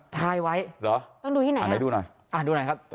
ต้องดูที่ไหนครับ